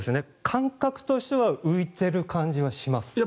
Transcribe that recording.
感覚としては浮いてる感じはします。